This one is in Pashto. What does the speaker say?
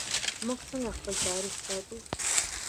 موږ څنګه خپل تاریخ ساتو؟